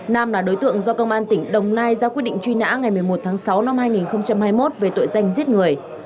nam là đối tượng do công an tỉnh đồng nai ra quyết định truy nã ngày một mươi một tháng sáu năm hai nghìn hai mươi một về tội danh giết người